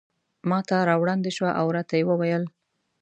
ماته را وړاندې شوه او راته ویې ویل.